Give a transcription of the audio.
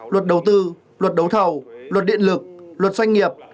luật đầu tư luật đấu thầu luật điện lực luật doanh nghiệp